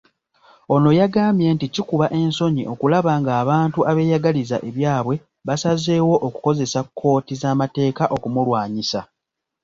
Ono yagambye nti kikuba ensonyi okulaba ng'abantu abeeyagaliza ebyabwe basazeewo okukozesa kkooti z'amateeka okumulwanyisa.